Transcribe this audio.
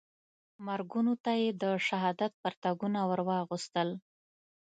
مرګونو ته یې د شهادت پرتګونه وراغوستل.